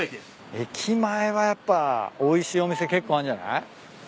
駅前はやっぱおいしいお店結構あんじゃない？